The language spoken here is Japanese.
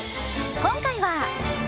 今回は。